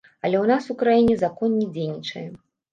Але ў нас у краіне закон не дзейнічае.